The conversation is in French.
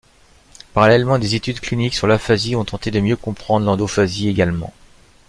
Parallèlement, des études cliniques sur l’aphasie ont tenté de mieux comprendre l’endophasie également.